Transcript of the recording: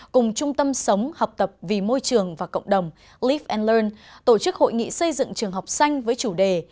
cùng trung tâm sống học tập vì môi trường và cộng đồng tổ chức hội nghị xây dựng trường học xanh với chủ đề